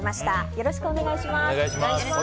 よろしくお願いします。